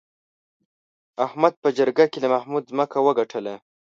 احمد په جرګه کې له محمود ځمکه وګټله.